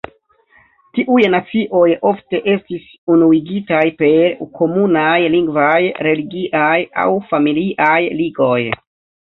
Tiuj nacioj ofte estis unuigitaj per komunaj lingvaj, religiaj aŭ familiaj ligoj.